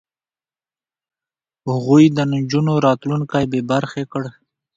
هغوی د نجونو راتلونکی بې برخې کړ.